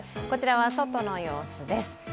こちらは外の様子です。